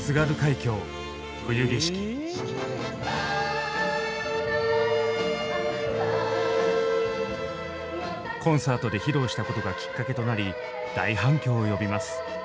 「さよならあなた」コンサートで披露したことがきっかけとなり大反響を呼びます。